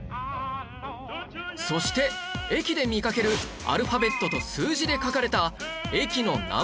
そして駅で見かけるアルファベットと数字で書かれた駅のナンバリング